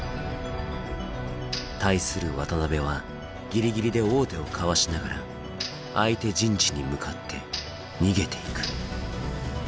対する渡辺はギリギリで王手をかわしながら相手陣地に向かって逃げていく